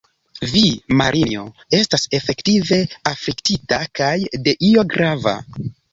Vi, Marinjo, estas efektive afliktita kaj de io grava.